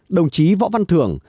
đồng chí võ văn thưởng